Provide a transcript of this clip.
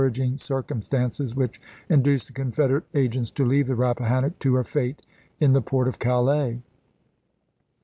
aging circumstances which induced the Confederate agents to leave the Rappahannock to her fate in the port of Calais.